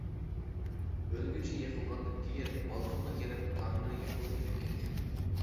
ئۆلگۈچى يىقىلغاندىن كېيىن، بالكونغا كىرىپ، تارتمىدىكى پۇلنى ئېلىپ كەتكەن.